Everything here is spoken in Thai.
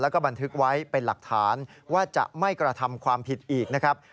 แล้วก็บันทึกไว้เป็นหลักฐานว่าจะไม่กระทำความผิดอีกนะครับ